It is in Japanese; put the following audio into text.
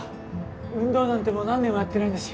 運動なんてもう何年もやってないんだし。